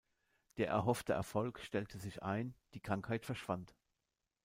Der erhoffte Erfolg stellte sich ein, die Krankheit verschwand.